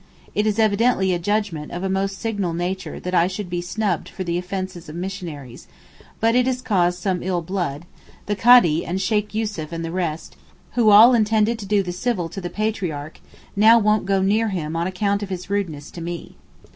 It is evidently 'a judgment' of a most signal nature that I should be snubbed for the offences of missionaries, but it has caused some ill blood; the Kadee and Sheykh Yussuf and the rest, who all intended to do the civil to the Patriarch, now won't go near him on account of his rudeness to me.